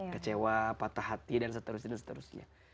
kecewa patah hati dan seterusnya